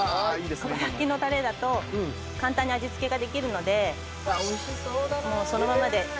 蒲焼きのタレだと簡単に味付けができるのでそのままでいいにおいで。